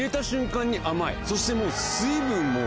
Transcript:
そして水分もう。